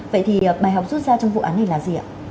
vậy thì bài học rút ra trong vụ án này là gì ạ